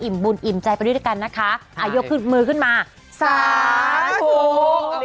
มีปิดท้ายอีกนะคะ